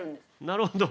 なるほど。